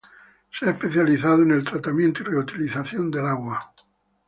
Se ha especializado en el tratamiento y reutilización del agua.